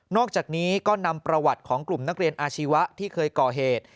อกจากนี้ก็นำประวัติของกลุ่มนักเรียนอาชีวะที่เคยก่อเหตุ